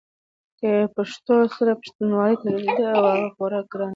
د پښتو سره پښتنواله تړلې ده او هغه خورا ګرانه ده!